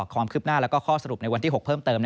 ความคืบหน้าและข้อสรุปในวันที่๖เพิ่มเติม